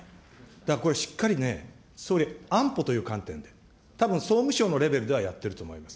だからこれ、しっかりね、総理、安保という観点で、たぶん総務省のレベルではやってると思います。